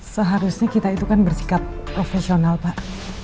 seharusnya kita itu kan bersikap profesional pak